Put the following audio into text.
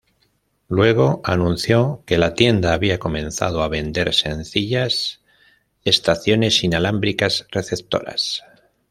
Luego anunció que la tienda había comenzado a vender sencillas "estaciones inalámbricas receptoras".